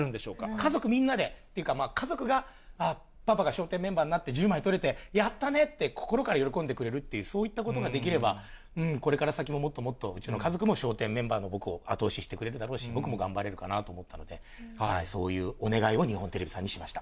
家族みんなで、っていうか、家族が、ああ、パパが笑点メンバーになって１０枚取れて、やったねって、心から喜んでくれるっていう、そういったことができれば、これから先ももっともっと、うちの家族も笑点メンバーの僕を後押ししてくれるだろうし、僕も頑張れるかなと思ったので、そういうお願いを日本テレビさんにしました。